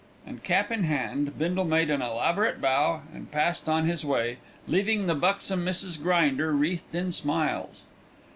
And cap in hand, Bindle made an elaborate bow and passed on his way, leaving the buxom Mrs. Grinder wreathed in smiles.